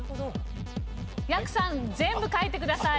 やくさん全部書いてください。